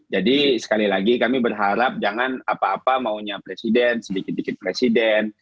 sekali lagi kami berharap jangan apa apa maunya presiden sedikit sedikit presiden